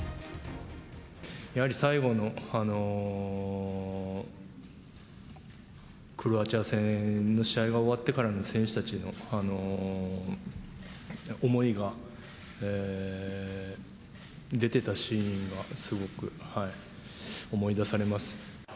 やはり最後の、クロアチア戦の試合が終わってからの、選手たちの思いが出ていたシーンが、すごく思い出されます。